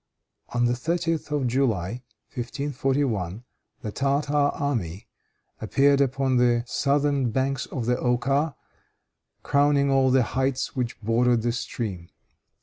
On the 30th of July, 1541, the Tartar army appeared upon the southern banks of the Oka, crowning all the heights which bordered the stream.